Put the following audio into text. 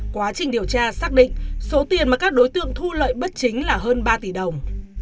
quá trình điều tra xác định số tiền mà các đối tượng thu lợi bất chính là hơn ba tỷ đồng